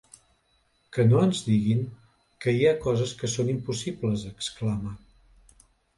Que no ens diguin que hi ha coses que són impossibles, exclama.